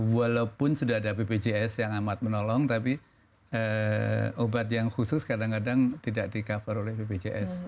walaupun sudah ada bpjs yang amat menolong tapi obat yang khusus kadang kadang tidak di cover oleh bpjs